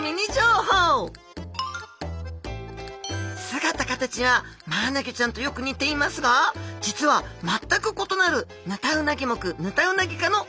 姿形はマアナゴちゃんとよく似ていますが実は全く異なるヌタウナギ目ヌタウナギ科のお魚ちゃんです。